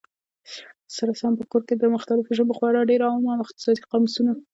سره سم په کور کي، د مختلفو ژبو خورا ډېر عام او اختصاصي قاموسونه